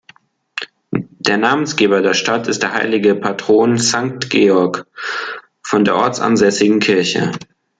Der Namensgeber der Stadt ist der Heilige Patron "Sankt Georg" von der ortsansässigen Kirche.